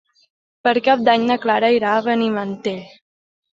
Per Cap d'Any na Clara irà a Benimantell.